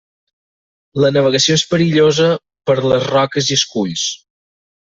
La navegació és perillosa per les roques i esculls.